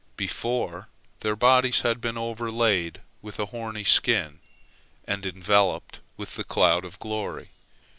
Before, their bodies had been overlaid with a horny skin, and enveloped with the cloud of glory.